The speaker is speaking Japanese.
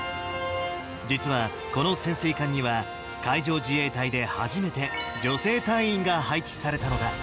実は、この潜水艦には海上自衛隊で初めて女性隊員が配置されたのだ。